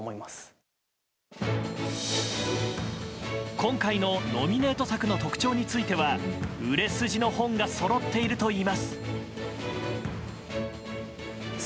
今回のノミネート作の特徴については売れ筋の本がそろっているといいます。